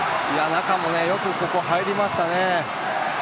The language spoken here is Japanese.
中もよくここ入りましたよね。